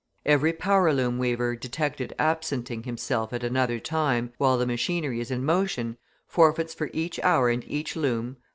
Every power loom weaver detected absenting himself at another time, while the machinery is in motion, forfeits for each hour and each loom, 3d.